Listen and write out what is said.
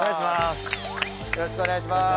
よろしくお願いします。